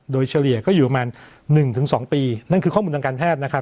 โดยเฉลี่ยก็อยู่ประมาณหนึ่งถึงสองปีนั่นคือข้อมูลดังการแพทย์นะครับ